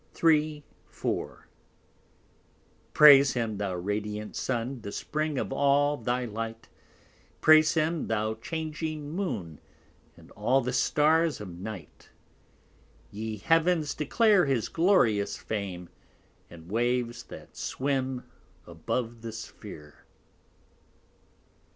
3, 4 Praise him, thou radiant Sun, The Spring of all thy Light; Praise him thou changing Moon, And all the Stars of Night: _Ye Heav'ns declare His glorious Fame; And waves that swim Above the Sphere.